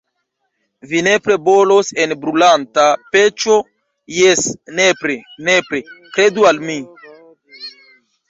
Vi nepre bolos en brulanta peĉo, jes, nepre, nepre, kredu al mi!